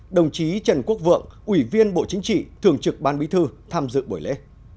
đồng chí trần quốc vượng ủy viên bộ chính trị thường trực ban bí thư tham dự buổi lễ